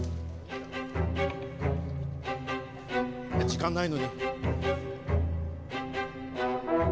時間ないのに。